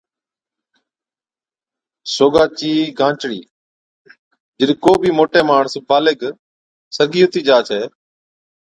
سوگا چِي گانچڙِي، جِڏ ڪو بِي موٽَي ماڻس (بالغ) سرگِي ھُتِي جا ڇَي